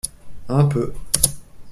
Un peu.